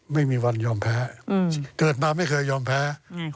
ไม่มีวันยอมแพ้เกิดมาไม่เคยยอมแพ้